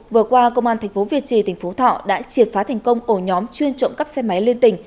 vừa qua công an tp việt trì tp thọ đã triệt phá thành công ổ nhóm chuyên trộm cắp xe máy lên tỉnh